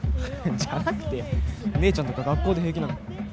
じゃなくて姉ちゃんとか学校で平気なの？